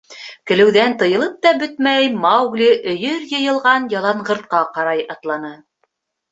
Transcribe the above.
Көлөүҙән тыйылып та бөтмәй Маугли өйөр йыйылған яланғыртҡа ҡарай атланы.